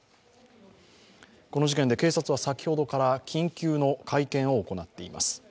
この事件で警察は先ほどから緊急の会見を行っています。